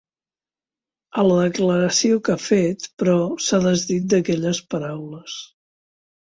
A la declaració que ha fet, però, s’ha desdit d’aquelles paraules.